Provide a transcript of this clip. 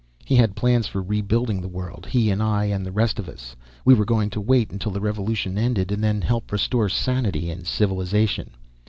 He had plans for rebuilding the world, he and I and the rest of us. We were going to wait until the revolution ended and then help restore sanity in civilization.